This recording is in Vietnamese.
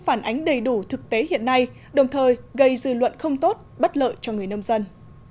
phản ánh đầy đủ thực tế hiện nay đồng thời gây dư luận không tốt bất lợi cho người nông dân